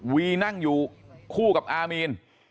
วีนั่งอยู่คู่กับอามีน